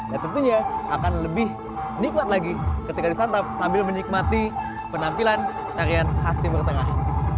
dan tentunya akan lebih nikmat lagi ketika disantap sambil menikmati penampilan tarian hasti pertengah